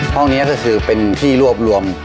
ห้องนี้ก็คือเป็นที่รวบรวม